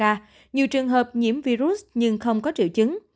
không có bệnh ca nhiều trường hợp nhiễm virus nhưng không có triệu chứng